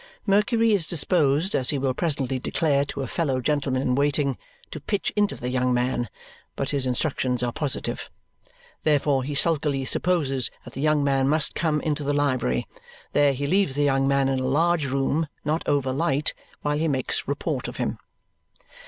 Mercury is disposed, as he will presently declare to a fellow gentleman in waiting, "to pitch into the young man"; but his instructions are positive. Therefore he sulkily supposes that the young man must come up into the library. There he leaves the young man in a large room, not over light, while he makes report of him.